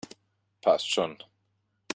Passt schon!